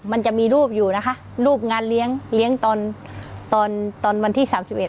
มันจะมีรูปอยู่นะคะรูปงานเลี้ยงเลี้ยงตอนตอนตอนวันที่สามสิบเอ็